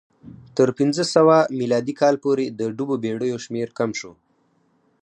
تر پنځه سوه میلادي کاله پورې د ډوبو بېړیو شمېر کم شو